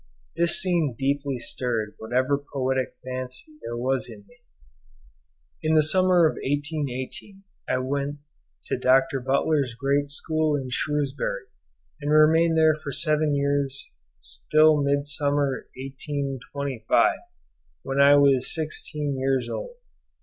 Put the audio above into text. This scene deeply stirred whatever poetic fancy there was in me. In the summer of 1818 I went to Dr. Butler's great school in Shrewsbury, and remained there for seven years till Midsummer 1825, when I was sixteen years old.